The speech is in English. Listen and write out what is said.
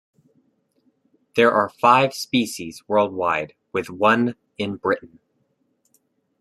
There are five species worldwide with one in Britain.